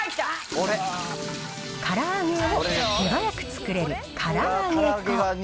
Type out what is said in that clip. から揚げを手早く作れるから揚げ粉。